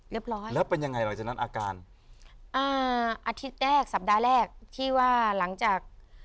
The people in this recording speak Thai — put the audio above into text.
ร้อยแล้วเป็นยังไงหลังจากนั้นอาการอ่าอาทิตย์แรกสัปดาห์แรกที่ว่าหลังจาก